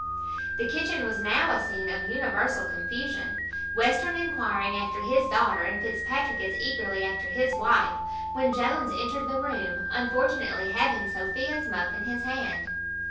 The kitchen was now a scene of universal confusion, Western enquiring after his daughter, and Fitzpatrick as eagerly after his wife, when Jones entered the room, unfortunately having Sophia's muff in his hand.